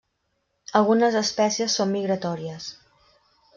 Algunes espècies són migratòries.